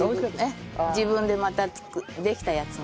自分でまたできたやつが。